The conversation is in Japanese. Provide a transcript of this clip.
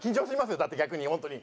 よだって逆に本当に。